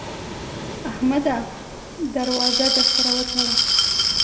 احمده! در وازه در سره وتړه.